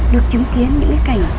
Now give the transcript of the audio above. được chứng kiến những cảnh